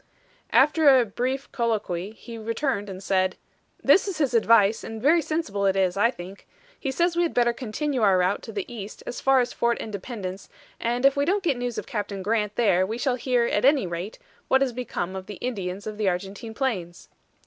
After a brief colloquy he returned and said: "This is his advice, and very sensible it is, I think. He says we had better continue our route to the east as far as Fort Independence, and if we don't get news of Captain Grant there we shall hear, at any rate, what has become of the Indians of the Argentine plains."